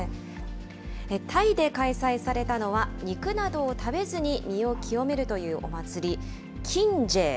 タイで開催されたのは肉などを食べずに身を清めるというお祭り、キンジェー。